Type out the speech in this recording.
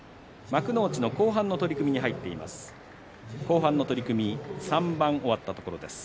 幕内後半の取組に入っています。